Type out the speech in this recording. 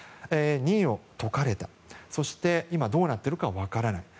任を解かれたそして今どうなっているか分からない。